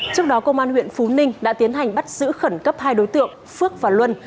trước đó công an huyện phú ninh đã tiến hành bắt giữ khẩn cấp hai đối tượng phước và luân